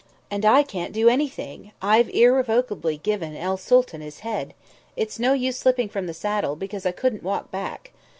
"And I can't do anything I've irrevocably given el Sooltan his head. It's no use slipping from the saddle, because I couldn't walk back.